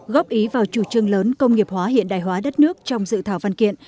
góp ý vào chủ trương lớn công nghiệp hóa hiện đại hóa đất nước trong dự thảo văn kiện